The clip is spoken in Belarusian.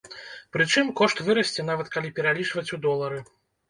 Прычым, кошт вырасце нават калі пералічваць у долары.